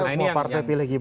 nah ini yang